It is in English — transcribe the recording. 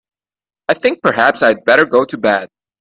I think perhaps I'd better go to bed.